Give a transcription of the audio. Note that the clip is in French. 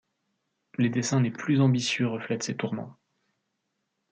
Les dessins les plus ambitieux reflètent ses tourments.